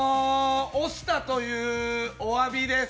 おしたというおわびです。